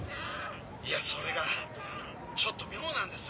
いやそれがちょっと妙なんです。